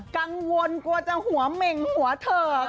กังวลกว่าจะเหม่งหัวถือก